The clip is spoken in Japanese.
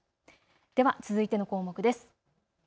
では続いての項目です。